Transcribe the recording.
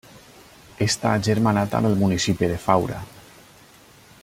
Està agermanat amb el municipi de Faura.